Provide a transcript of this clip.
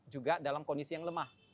juga dalam kondisi yang lemah